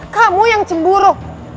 kamu yang cemburu